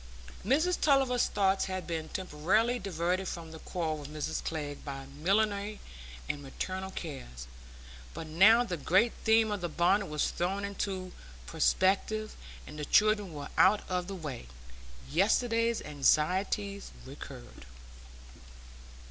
Mrs Tulliver's thoughts had been temporarily diverted from the quarrel with Mrs Glegg by millinery and maternal cares, but now the great theme of the bonnet was thrown into perspective, and the children were out of the way, yesterday's anxieties recurred.